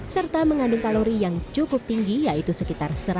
serta mengandung kalori yang cukup tinggi yaitu sekitar